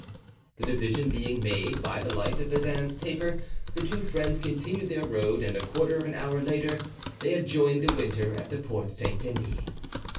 The division being made by the light of Bazin's taper, the two friends continued their road and a quarter of an hour later they had joined De Winter at the Porte Saint Denis.